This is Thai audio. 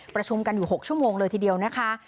ประชุมกันอยู่๖ชั่วโมงเลยทีเดียวนะคะ